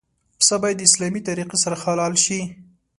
پسه باید د اسلامي طریقې سره حلال شي.